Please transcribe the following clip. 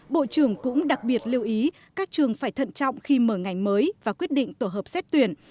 bộ trưởng cũng đặc biệt lưu ý các trường phải thận trọng khi mở ngành mới và quyết định tổ hợp xét tuyển